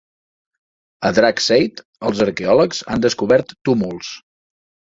A Dragseid els arqueòlegs han descobert túmuls.